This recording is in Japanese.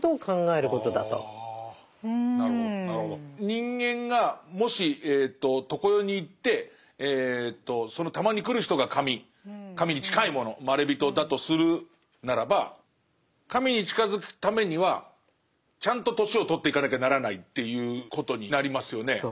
人間がもし常世に行ってそのたまに来る人が神神に近いものまれびとだとするならば神に近づくためにはちゃんと年を取っていかなきゃならないっていうことになりますよね。